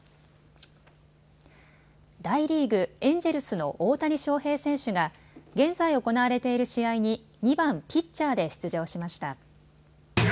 大リーグ、エンジェルスの大谷翔平選手が現在行われている試合に２番・ピッチャーで出場しました。